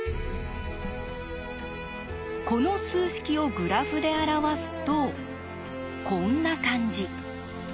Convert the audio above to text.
この数式をグラフで表すとこんな感じ。